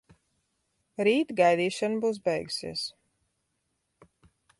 Rīt gaidīšana būs beigusies.